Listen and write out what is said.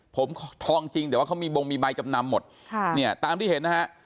ผมทองจริงแต่ว่าเขามีบงมีใบจำนำหมดค่ะเนี่ยตามที่เห็นนะฮะ